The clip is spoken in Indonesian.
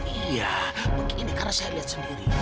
iya begini karena saya lihat sendiri